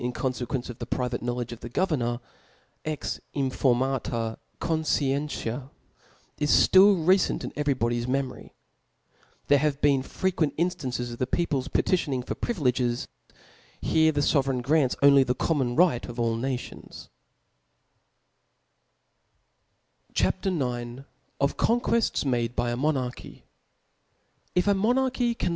in confeauence of the private knowledge of the governor, ex informntk co^cientia; h ftill r^ceAt irt every bodyS memory. There have been frequent inftances of the peopfeS petitioning for privileges : here the fovereign grants only the common righ* of all nations OfQon^ti^s mad^ ^4 Menard's/ "f F a mjcffnaftcljy c^n